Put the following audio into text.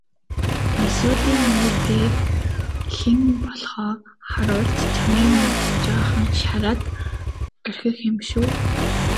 Улсуудын нүүр дээр хэн болохоо харуулж чамайг нэг жаахан шараад орхих юм шүү.